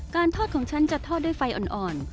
ทอดของฉันจะทอดด้วยไฟอ่อน